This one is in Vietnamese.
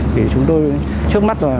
thì chúng tôi trước mắt là